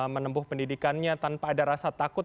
menempuh pendidikannya tanpa ada rasa takut